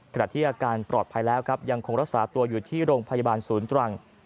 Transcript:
ขณะที่อาการปลอดภัยแล้วครับยังคงรักษาตัวอยู่ที่โรงพยาบาลศูนย์ตรัง